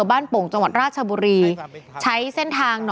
จังหวัดกาญจนบุรีนะคะ